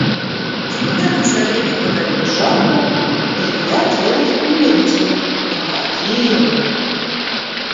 Титулярный советник подает жалобу, и я делаюсь примирителем, и каким!...